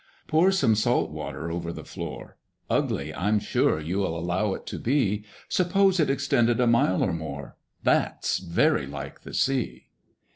Pour some salt water over the floor— Ugly I'm sure you'll allow it to be: Suppose it extended a mile or more, That's very like the Sea.